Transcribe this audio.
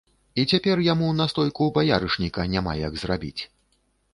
І цяпер яму настойку баярышніка няма як зрабіць.